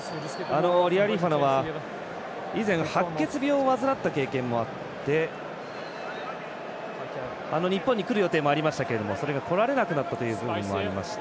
リアリーファノは以前白血病を患った経験もあって日本に来る予定もありましたけどそれが来られなかったというのもありました。